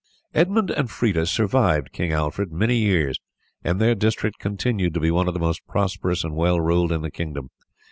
Edmund and Freda survived King Alfred many years, and their district continued to be one of the most prosperous and well ruled in the kingdom.